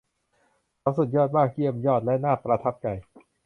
เขาสุดยอดมาก เยี่ยมยอดและน่าประทับใจ